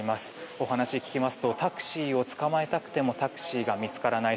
お話を聞きますとタクシーをつかまえたくてもタクシーが見つからない。